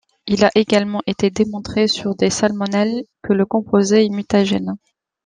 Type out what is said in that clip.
Il a également été démontré sur des salmonelles que le composé est mutagène.